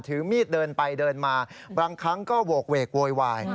ถือมีดเดินไปเดินมาบางครั้งก็โหกเวกโวยวาย